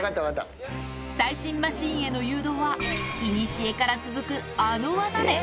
最新マシンへの誘導は、いにしえから続くあの技で。